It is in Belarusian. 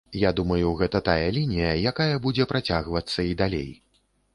Я думаю, гэта тая лінія, якая будзе працягвацца і далей.